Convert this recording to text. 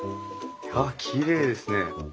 いやきれいですね。